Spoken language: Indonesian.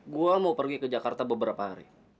gue mau pergi ke jakarta beberapa hari